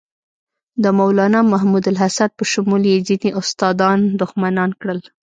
د مولنا محمودالحسن په شمول یې ځینې استادان دښمنان کړل.